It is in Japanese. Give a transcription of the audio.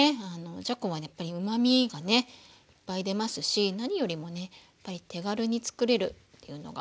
じゃこはやっぱりうまみがねいっぱい出ますし何よりもねやっぱり手軽に作れるっていうのがいいですよね。